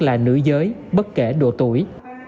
là nữ giới bất kể độ tuổi